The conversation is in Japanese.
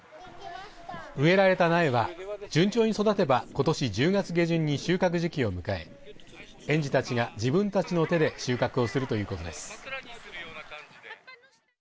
植えられた苗は順調に育てばことし１０月下旬に収穫時期を迎え園児たちが自分たちの手で収穫をするということです。